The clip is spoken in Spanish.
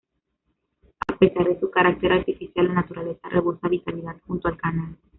A pesar de su carácter artificial, la naturaleza rebosa vitalidad junto al canal.